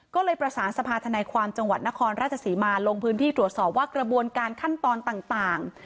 ก็เลยประสานสภาธนาความจังหวัดนครราชศรีมาลงพื้นที่ตรวจสอบว่ากระบวนการขั้นตอนต่าง